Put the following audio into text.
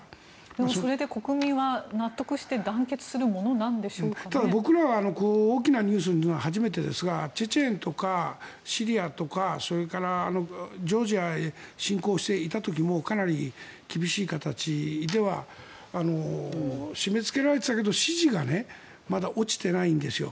でもそれで国民は納得して僕らは大きなニュースで初めてですがチェチェンとかシリアとかそれからジョージアに侵攻していた時もかなり厳しい形では締めつけられていたけれど支持がまだ落ちてないんですよ。